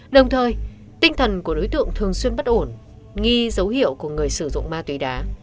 đồng thời tinh thần của đối tượng thường xuyên bất ổn nghi dấu hiệu của người sử dụng ma túy đá